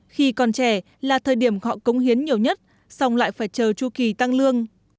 khi còn trẻ là thời điểm họ cống hiến nhiều nhất xong lại phải chờ chu kỳ tăng lương